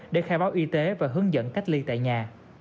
để khai báo y tế và hướng dẫn cách ly tại nhà